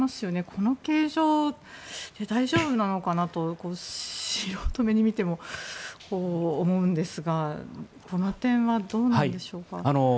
この形状で大丈夫なのかなと素人目に見ても思うんですがこの点はどうなんでしょうか。